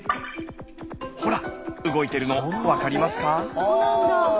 ほら動いてるの分かりますか？